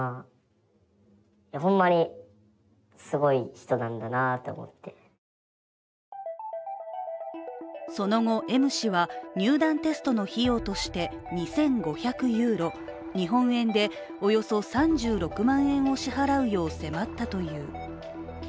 Ａさんは当初、疑っていたがその後、Ｍ氏は入団テストの費用として２５００ユーロ、日本円でおよそ３６万円を支払うよう迫ったという。